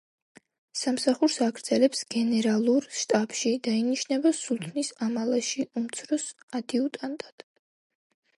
სამსახურს აგრძელებს გენერალურ შტაბში და ინიშნება სულთნის ამალაში უმცროს ადიუტანტად.